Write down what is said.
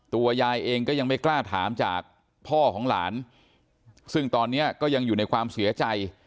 ยายเองก็ยังไม่กล้าถามจากพ่อของหลานซึ่งตอนนี้ก็ยังอยู่ในความเสียใจ